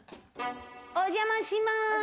お邪魔します。